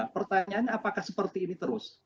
pertanyaannya apakah seperti ini terus